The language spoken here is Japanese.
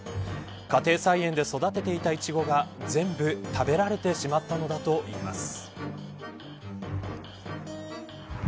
家庭菜園で育てていたいちごが全部食べられてしまったのだといいます。